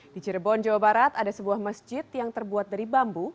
di cirebon jawa barat ada sebuah masjid yang terbuat dari bambu